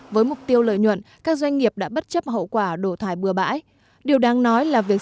với mục tiêu lợi nhuận các doanh nghiệp đã bất chấp hậu quả đổ thải bừa bãi điều đáng nói là việc